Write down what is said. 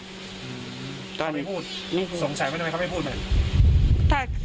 เขาไม่พูดส่งสายไว้ทำไมเขาไม่พูดมั้ย